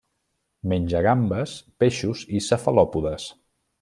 Menja gambes, peixos i cefalòpodes.